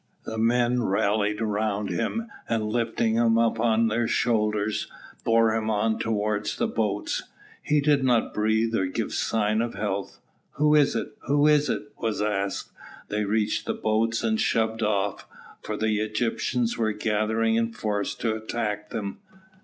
The men rallied round him, and lifting him on their shoulders bore him on towards the boats. He did not breathe or give a sign of life. "Who is it? who is it?" was asked. They reached the boats and shoved off, for the Egyptians were gathering in force to attack them.